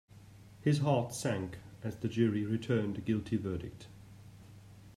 His heart sank as the jury returned a guilty verdict.